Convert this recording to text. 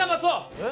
えっ？